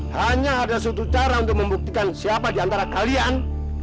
hanya ada suatu cara untuk membuktikan siapa diantara kalian